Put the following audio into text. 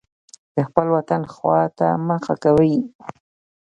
د خپل وطن خوا ته مخه کوي.